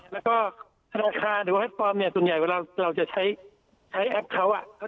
แล้วก็ธนาคารหรือแฟนฟอร์มส่วนใหญ่เวลาเราจะใช้แอปเขาเขา